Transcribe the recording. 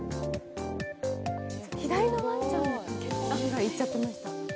左のワンちゃんに目が行っちゃってました。